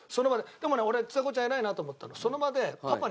でもね俺ちさ子ちゃん偉いなと思ったのは。